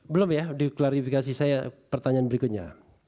belum ya diklarifikasi saya pertanyaan berikutnya